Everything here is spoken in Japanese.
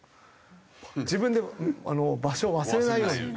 自分で場所を忘れないように。